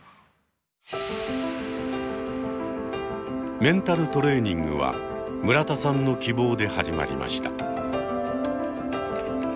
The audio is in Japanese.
メンタルトレーニングは村田さんの希望で始まりました。